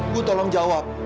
bu tolong jawab